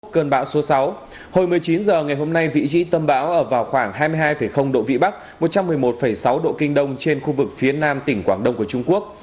cơn bão số sáu hồi một mươi chín h ngày hôm nay vị trí tâm bão ở vào khoảng hai mươi hai độ vĩ bắc một trăm một mươi một sáu độ kinh đông trên khu vực phía nam tỉnh quảng đông của trung quốc